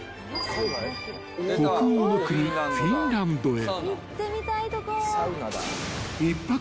北欧の国フィンランドへ］